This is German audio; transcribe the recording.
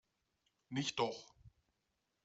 Nicht doch!